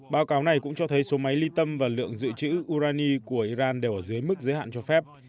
báo cáo này cũng cho thấy số máy ly tâm và lượng dự trữ urani của iran đều ở dưới mức giới hạn cho phép